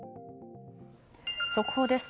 速報です。